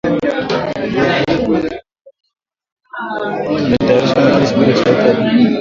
Imetayarishwa na Kennes Bwire, Sauti ya Afrika.